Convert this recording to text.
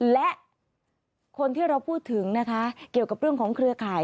และคนที่เราพูดถึงนะคะเกี่ยวกับเรื่องของเครือข่าย